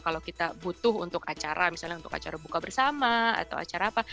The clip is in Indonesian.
kalau kita butuh untuk acara misalnya untuk acara buka bersama atau acara apa